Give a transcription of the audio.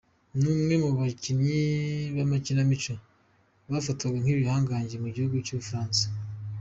Ni umwe mu bakinnyi b’amakinamico bafatwaga nk’ibihangange mu gihugu cy’Ubufaransa.